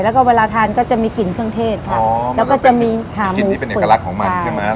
แล้วก็เวลาทานก็จะมีกลิ่นเครื่องเทศค่ะอ๋อแล้วก็จะมีถามกลิ่นที่เป็นเอกลักษณ์ของมันใช่ไหม